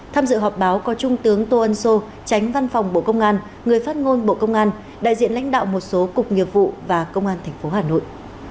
tham dự họp báo có trung tướng tô ân sô tránh văn phòng bộ công an người phát ngôn bộ công an đại diện lãnh đạo một số cục nghiệp vụ và công an tp hà nội